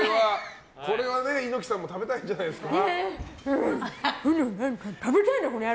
これは猪木さんも食べたいんじゃないですか？